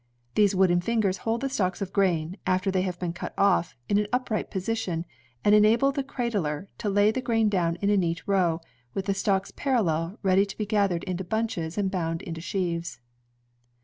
These wooden fingers hold the stalks of grain, after they have been cut off, in an upright position, and enable the cradler to lay the grain down in a neat row, with the stalks parallel, ready to be gathered into bunches and bound into sheaves.